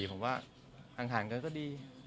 ผมว่าอังคารกันก็ดี